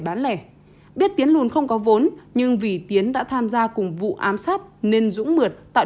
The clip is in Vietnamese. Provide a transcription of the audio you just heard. bán lẻ biết tiến lùn không có vốn nhưng vì tiến đã tham gia cùng vụ ám sát nên dũng mượt tạo